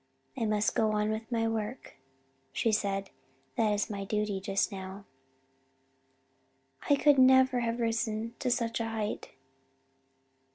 "'I must go on with my work,' she said. 'That is my duty just now.' "I could never have risen to such a height.